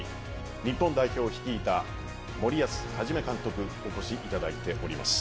日本代表を率いた森保一監督にお越しいただいております。